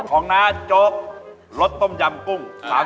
ของน้ำจกรสต้มยำกุ้ง